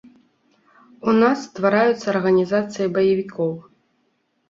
У нас ствараюцца арганізацыі баевікоў.